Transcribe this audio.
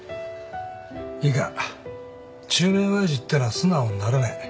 いいか中年親父ってのは素直になれない。